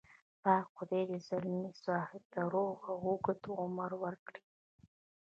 پاک خدای دې ځلمي صاحب ته روغ او اوږد عمر ورکړي.